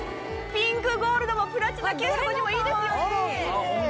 ピンクゴールドもプラチナ９５０もいいですよね！